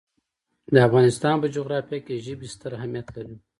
د افغانستان په جغرافیه کې ژبې ستر اهمیت لري.